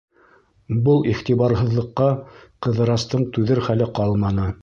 Был иғтибарһыҙлыҡҡа Ҡыҙырастың түҙер хәле ҡалманы.